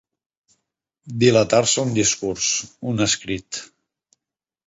Dilatar-se un discurs, un escrit.